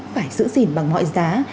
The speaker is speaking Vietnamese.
phải giữ gìn bằng mọi giá